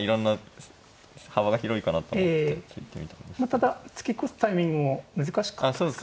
ただ突き越すタイミングも難しかったですかね。